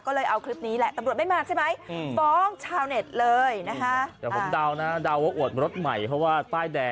ก็เลยเอาคลิปนี้แหละตำรวจไม่มาใช่ไหม